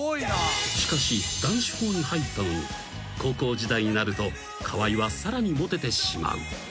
［しかし男子校に入ったのに高校時代になると川合はさらにモテてしまう］